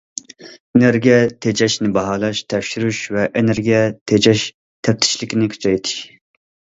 ئېنېرگىيە تېجەشنى باھالاش، تەكشۈرۈش ۋە ئېنېرگىيە تېجەش تەپتىشلىكىنى كۈچەيتىش.